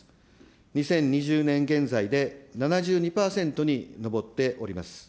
２０２０年現在で７２％に上っております。